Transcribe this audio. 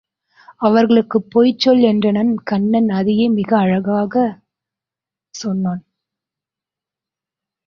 அவர்களுக்குப் போய்ச் சொல் என்றனன் கண்ணன் அதையே மிகவும் அழகாகச் சொன்னான்.